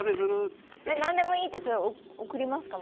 何でもいいって送りますか？